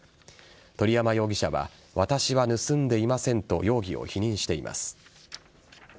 鳥山容疑者は私は盗んでいませんと容疑を否認しています。